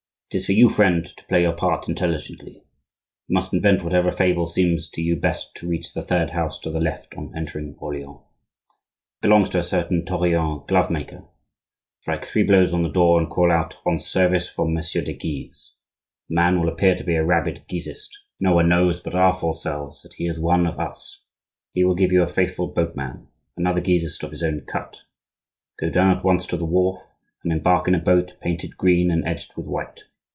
It is for you, friend, to play your part intelligently. You must invent whatever fable seems to you best to reach the third house to the left on entering Orleans; it belongs to a certain Tourillon, glove maker. Strike three blows on the door, and call out: 'On service from Messieurs de Guise!' The man will appear to be a rabid Guisist; no one knows but our four selves that he is one of us. He will give you a faithful boatman,—another Guisist of his own cut. Go down at once to the wharf, and embark in a boat painted green and edged with white.